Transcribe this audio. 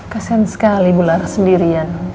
kasihan sekali ibu lara sendirian